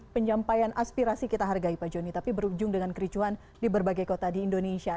penyampaian aspirasi kita hargai pak joni tapi berujung dengan kericuan di berbagai kota di indonesia